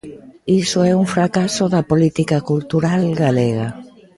Iso é un fracaso da política cultural galega.